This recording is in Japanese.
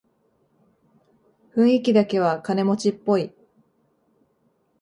雰囲気だけは金持ちっぽい